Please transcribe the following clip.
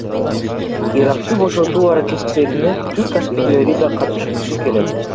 Иракты бошотуу аракеттерине түрк аскерлери да катышкысы келет.